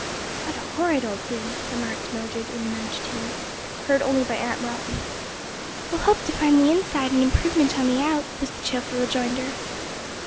"What a horrid old thing!" remarked Mildred in an undertone, heard only by Aunt Wealthy. "We'll hope to find the inside an improvement on the out," was the cheerful rejoinder.